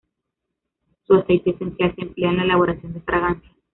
Su aceite esencial se emplea en la elaboración de fragancias.